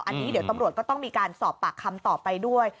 อันนี้เดี๋ยวตำรวจก็ต้องมีการสอบปากคำต่อไปด้วย